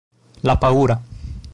La paura